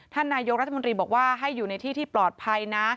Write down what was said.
ท่านนายกรัฐมนตรีบอกว่าให้อยู่ในที่ที่ปลอดภัยนะ